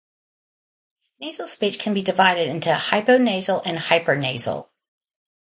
Nasal speech can be divided into hypo-nasal and hyper-nasal.